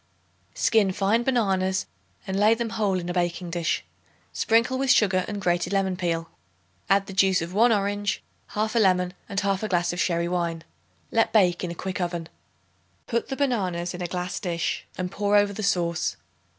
Skin fine bananas and lay them whole in a baking dish. Sprinkle with sugar and grated lemon peel. Add the juice of 1 orange, 1/2 lemon and 1/2 glass of sherry wine. Let bake in a quick oven. Put the bananas in a glass dish and pour over the sauce.